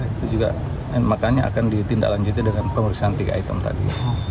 itu juga makanya akan ditindaklanjuti dengan pemeriksaan tiga item tadi